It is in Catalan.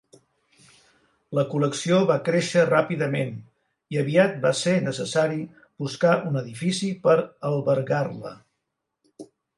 La col·lecció va créixer ràpidament i aviat va ser necessari buscar un edifici per albergar-la.